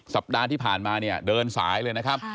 สัปดาห์ที่ผ่านมาเนี่ยเดินสายเลยนะครับ